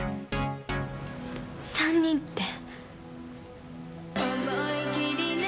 ３人って。